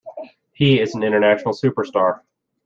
He is an international superstar.